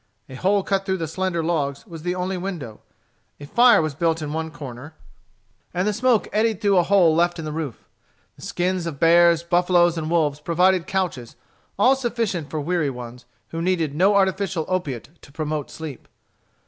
A hole cut through the slender logs was the only window. A fire was built in one corner, and the smoke eddied through a hole left in the roof. The skins of bears, buffaloes, and wolves provided couches, all sufficient for weary ones, who needed no artificial opiate to promote sleep.